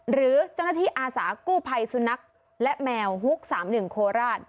หรือเจ้าหน้าที่อาสากู้ภัยสุนัขและแมวฮุก๓๑โคราช